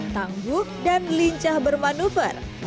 tangguh dan lincah bermanufa